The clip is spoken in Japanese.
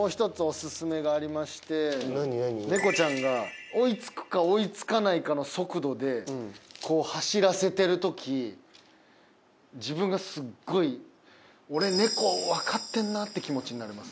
猫ちゃんが追い付くか追い付かないかの速度でこう走らせてる時自分がすっごい。って気持ちになれます。